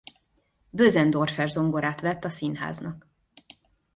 Bösendorfer-zongorát vett a színháznak.